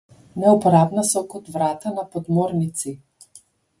Neuporabna so kot vrata na podmornici.